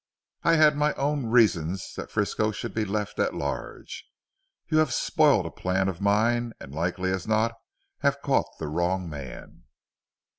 "I had my own reasons that Frisco should be left at large. You have spoilt a plan of mine, and likely as not have caught the wrong man."